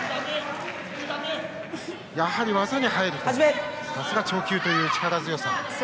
やはり技に入るとさすが超級という力強さ。